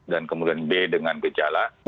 dan kemudian b dengan gejala